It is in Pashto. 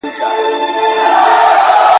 اختلاف د دښمنۍ په معنی نه دی.